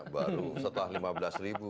baru setelah lima belas ribu